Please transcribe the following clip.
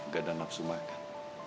gak ada nafsu makan